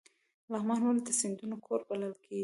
لغمان ولې د سیندونو کور بلل کیږي؟